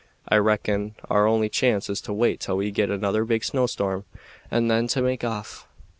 I reckon our only chance is to wait till we git another big snowstorm and then to make off.